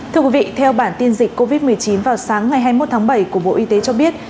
thưa quý vị theo bản tin dịch covid một mươi chín vào sáng ngày hai mươi một tháng bảy của bộ y tế cho biết